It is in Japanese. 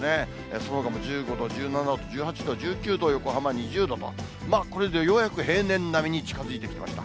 そのほかも１５度、１７度、１８度、１９度、横浜２０度と、これでようやく平年並みに近づいてきました。